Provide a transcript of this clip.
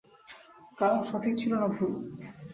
কারণ সঠিক ছিল না ভুল?